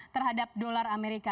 terhadap dolar amerika